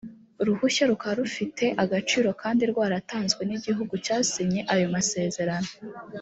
ruhushya rukaba rufite agaciro kandi rwaratanzwe n igihugu cyasinye ayo masezerano